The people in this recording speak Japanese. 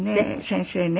先生ね